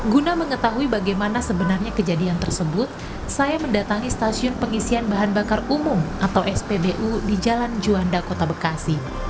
guna mengetahui bagaimana sebenarnya kejadian tersebut saya mendatangi stasiun pengisian bahan bakar umum atau spbu di jalan juanda kota bekasi